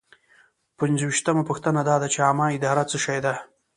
پنځویشتمه پوښتنه دا ده چې عامه اداره څه شی ده.